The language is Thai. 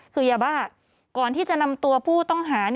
คือยาบ้าก่อนที่จะนำตัวผู้ต้องหา